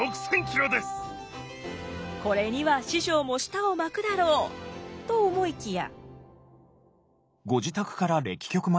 これには師匠も舌を巻くだろうと思いきや。